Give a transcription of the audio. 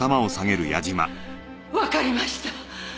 わかりました。